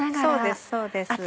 そうですそうです。